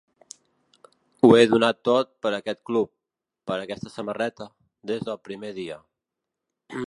Ho he donat tot per aquest club, per aquesta samarreta, des del primer dia.